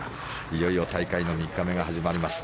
いよいよ大会３日目が始まります。